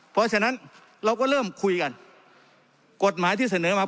เพราะฉะนั้นเราก็เริ่มคุยกันกฎหมายที่เสนอมา